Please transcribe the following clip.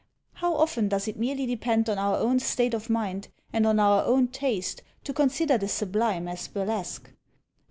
How often does it merely depend on our own state of mind, and on our own taste, to consider the sublime as burlesque!